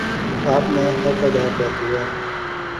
آپ نے حق ادا کر دیا